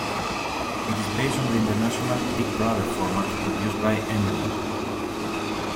It is based on the international "Big Brother" format produced by Endemol.